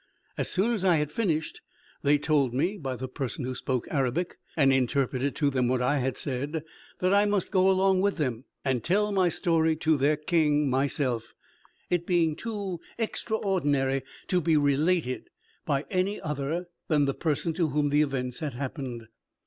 As soon as I had finished they told me, by the person who spoke Arabic and interpreted to them what I said, that I must go along with them, and tell my story to their king myself; it being too extraordinary to be related by any other than the person to whom the events had happened.